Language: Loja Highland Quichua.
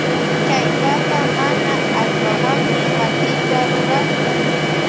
Chay papa mana allpawanmi matita rurakun.